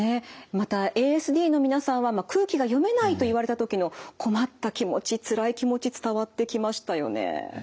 またＡＳＤの皆さんは空気が読めないと言われた時の困った気持ちつらい気持ち伝わってきましたよね。